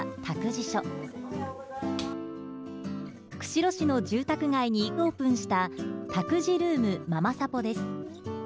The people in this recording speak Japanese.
釧路市の住宅街にオープンした、託児ルームままさぽです。